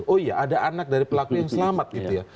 oh iya ada anak dari pelaku yang selamat